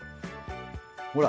ほら。